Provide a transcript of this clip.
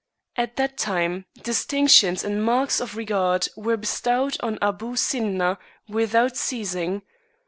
At that time distinctions and marks of re gard were bestowed on Aboo Sinna without ceasing.